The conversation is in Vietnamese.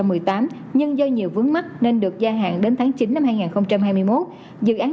dự kiến hoàn thành năm hai nghìn một mươi tám nhưng do nhiều vướng mắt nên được gia hạn đến tháng chín năm hai nghìn hai mươi một dự án